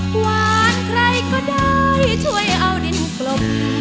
กวาดใครก็ได้ช่วยเอาดินกลม